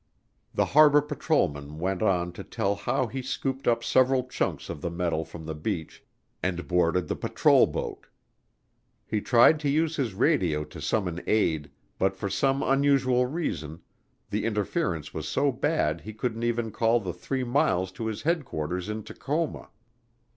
The harbor patrolman went on to tell how he scooped up several chunks of the metal from the beach and boarded the patrol boat. He tried to use his radio to summon aid, but for some unusual reason the interference was so bad he couldn't even call the three miles to his headquarters in Tacoma.